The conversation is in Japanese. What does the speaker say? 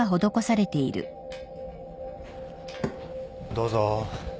どうぞ。